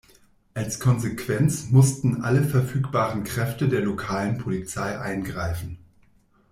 Als Konsequenz mussten alle verfügbaren Kräfte der lokalen Polizei eingreifen.